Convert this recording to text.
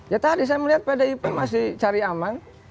ya tadi saya melihat pdip masih cari aman